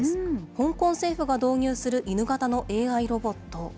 香港政府が導入する犬型のＡＩロボット。